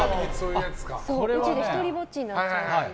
宇宙で独りぼっちになっちゃう。